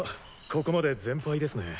ここまで全敗ですね。